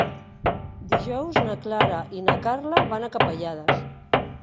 Dijous na Clara i na Carla van a Capellades.